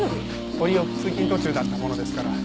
折よく通勤途中だったものですから。